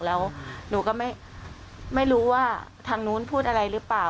แล้วหนูก็ไม่รู้ว่าทางนู้นพูดอะไรหรือเปล่า